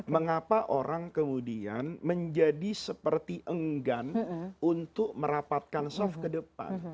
mengapa orang kemudian menjadi seperti enggan untuk merapatkan soft ke depan